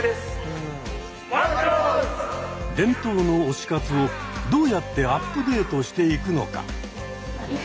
伝統の推し活をどうやってアップデートしていくのか。